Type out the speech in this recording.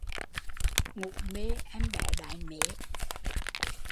Ngủ mê em bé đái mế